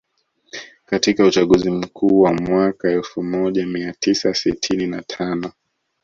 Katika uchaguzi Mkuu wa mwaka elfu moja mia tisa sitini na tano